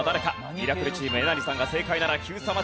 ミラクルチームえなりさんが正解ならＱさま！！